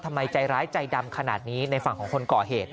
ใจร้ายใจดำขนาดนี้ในฝั่งของคนก่อเหตุ